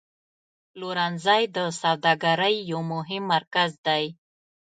پلورنځی د سوداګرۍ یو مهم مرکز دی.